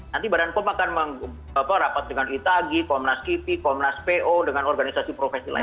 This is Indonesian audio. nanti badan pom akan merapat dengan itagi komnas kipi komnas po dengan organisasi profesi lain